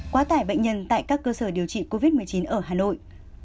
quá tải bệnh nhân tại các cơ sở điều trị covid một mươi chín ở hà nội